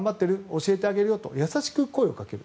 教えてあげるよと優しく声をかける。